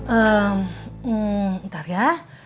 ehm ntar ya